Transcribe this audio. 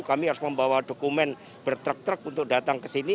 kami harus membawa dokumen bertrek truk untuk datang ke sini